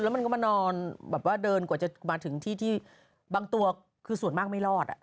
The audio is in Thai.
และก็มานอนเดินกว่าจะมาถึงที่ที่บางตัวคือส่วนมากไม่รอด